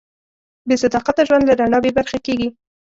بېصداقته ژوند له رڼا بېبرخې کېږي.